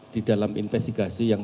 di dalam investigasi yang